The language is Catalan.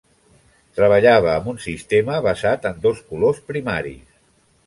Treballava amb un sistema basat en dos colors primaris.